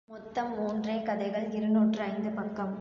மொத்தம் மூன்றே கதைகள் இருநூற்று ஐந்து பக்கம்.